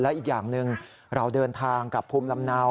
อีกอย่างหนึ่งเราเดินทางกับภูมิลำเนา